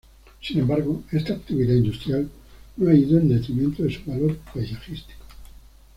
Sin embargo, esta actividad industrial no ha ido en detrimento de su valor paisajístico.